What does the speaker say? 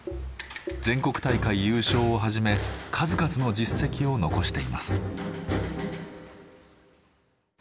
全国大会優勝をはじめ数々の実績を残しています。